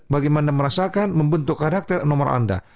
bagaimana merasakan membentuk karakter nomor anda